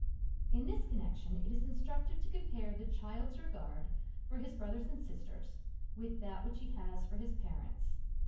_ In this connection it is instructive to compare the child's regard for his brothers and sisters with that which he has for his parents.